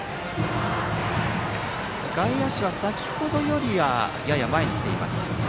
外野手は先程よりはやや前に来ています。